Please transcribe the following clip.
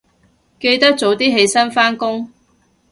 記得早啲起身返工